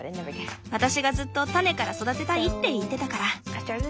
私がずっと種から育てたいって言ってたから。